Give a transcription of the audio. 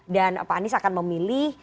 dan pak anies akan memilih